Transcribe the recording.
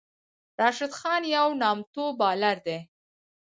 راشد خان یو نامتو بالر دئ.